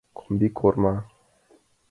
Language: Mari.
— Комбикорма!